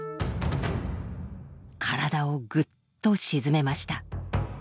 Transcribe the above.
体をぐっと沈めました！